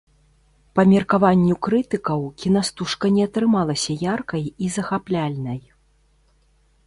Па меркаванню крытыкаў, кінастужка не атрымалася яркай і захапляльнай.